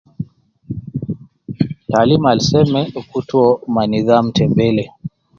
Alim al seme gi kutu uwo ma nizam te bele